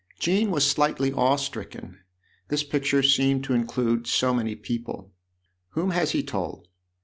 Jean was slightly awe stricken : this picture seemed to include so many people. " Whom has he told